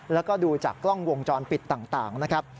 แล้วก็ดูจากกล้องวงจรปิดต่างนะครับ